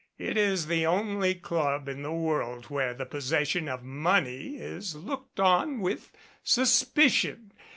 It is the only club in the world where the possession of money is looked on with suspicion.